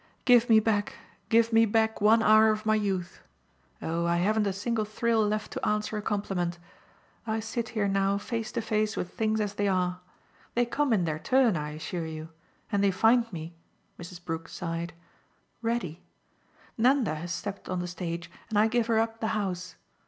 "'Give me back, give me back one hour of my youth'! Oh I haven't a single thrill left to answer a compliment. I sit here now face to face with things as they are. They come in their turn, I assure you and they find me," Mrs. Brook sighed, "ready. Nanda has stepped on the stage and I give her up the house.